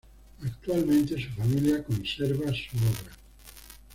Actualmente su familia conserva su obra.